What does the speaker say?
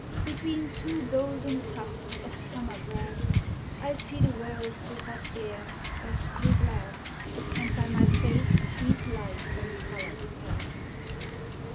Between two golden tufts of summer grass, I see the world through hot air as through glass, Aud by my face sweet lights aud colors pass.